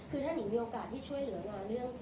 คือถ้านิงมีโอกาสที่ช่วยเหลืองานเรื่อง